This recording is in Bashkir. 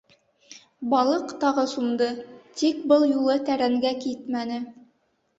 Балыҡ тағы сумды, тик был юлы тәрәнгә китмәне.